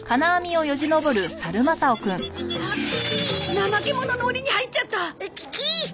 ナマケモノの檻に入っちゃった。